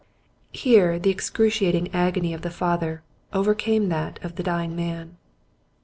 Here the excruciating anguish of the father, overcame that of the dying man.